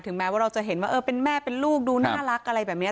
แม้ว่าเราจะเห็นว่าเออเป็นแม่เป็นลูกดูน่ารักอะไรแบบนี้